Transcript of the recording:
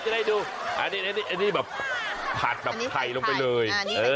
เดี๋ยวจะได้ดูนี้ไข่ไก่ลงไปเลย